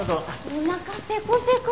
おなかペコペコ。